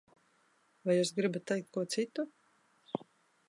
Vai jūs gribat teikt ko citu?